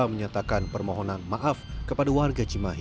menyatakan permohonan maaf kepada warga cimahi